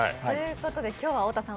今日は太田さん